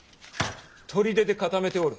砦で固めておる。